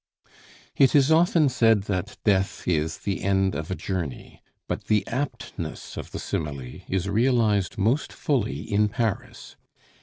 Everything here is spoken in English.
It is often said that "death is the end of a journey," but the aptness of the simile is realized most fully in Paris.